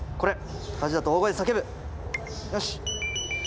よし！